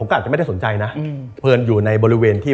ก็อาจจะไม่ได้สนใจนะเพลินอยู่ในบริเวณที่